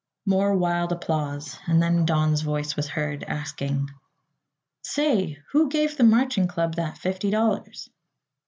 More wild applause, and then Don's voice was heard asking: "Say, who gave the Marching Club that fifty dollars?"